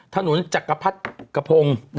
จักรพรรดิกระพง